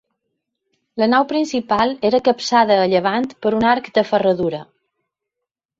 La nau principal era capçada a llevant per un arc de ferradura.